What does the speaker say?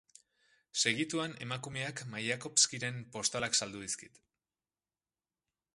Segituan emakumeak Maiakovskiren postalak saldu dizkit.